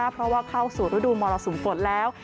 เพราะว่าเข้าสู่ฤดูมรสุมฝนแล้ว